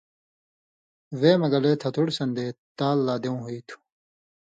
وے مہ گلے تھتُوڑ سݩدے تال لا دیوۡں ہُوئ تُھو۔